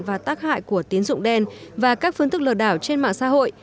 và tác hại của tín dụng đen và các phương thức lừa đảo trên mạng xã hội